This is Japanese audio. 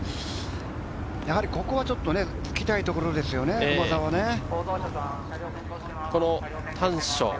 ここはちょっと、つきたいところですよね、駒澤はね。